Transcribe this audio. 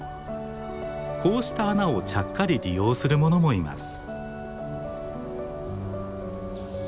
こうした穴をちゃっかり利用するものもいます。